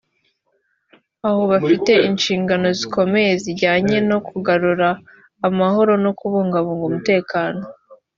aho bafite inshingano zikomeye zijyanye no kugarura amahoro no kubungabunga umutekano